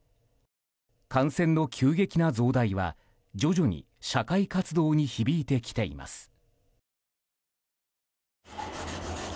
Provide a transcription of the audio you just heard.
感染の急激な増大は徐々に社会活動に響いてきています。